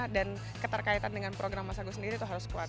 dan keterkaitan dengan program mas agus sendiri itu harus kuat